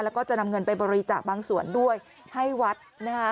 แล้วก็จะนำเงินไปบริจาคบางส่วนด้วยให้วัดนะคะ